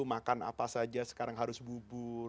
makan apa saja sekarang harus bubur